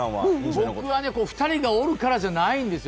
僕はね、２人がおるからじゃないんですよ。